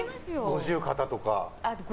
五十肩とかは？